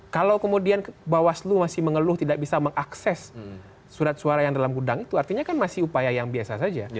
kalau kemudian bawaslu masih mengeluh tidak bisa mengakses surat suara yang dalam gudang itu artinya kan masih upaya yang biasa saja